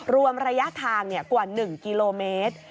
รวมระยะทางกว่า๑กิโลเมตร